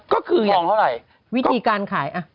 ก็คือวิธีการขาย